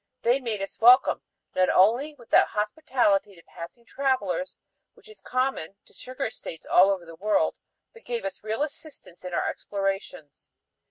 They made us welcome, not only with that hospitality to passing travelers which is common to sugar estates all over the world, but gave us real assistance in our explorations.